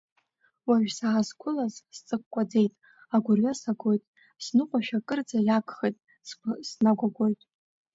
Уажә саазқәылаз, сҵыкәкәаӡеит, агәырҩа сагоит, сныҟәашәа кырӡа иагхеит, снагәагәоит.